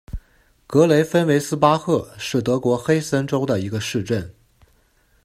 格雷芬维斯巴赫是德国黑森州的一个市镇。